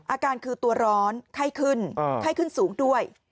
อาการคือตัวร้อนไข้ขึ้นไข้ขึ้นสูงด้วย